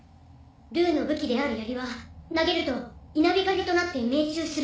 ルーの武器であるやりは投げると稲光となって命中すると伝わる。